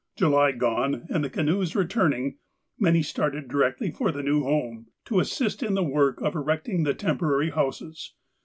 July gone, and the canoes returning, many started directly for the new home, to assist in the work of erect ing the temporary houses.